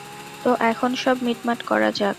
তো এখন সব মিটমাট করা যাক?